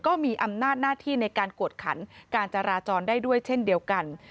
ก็มีอำนาจหน้าที่ในการกวดขันการจราจรได้ด้วยเช่นเดียวกัน